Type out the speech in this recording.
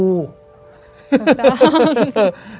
ถูกต้อง